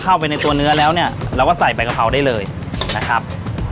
เข้าไปในตัวเนื้อแล้วเนี่ยเราก็ใส่ใบกะเพราได้เลยนะครับ